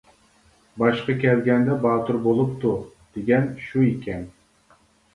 «باشقا كەلگەندە باتۇر بولۇپتۇ» دېگەن شۇ ئىكەن.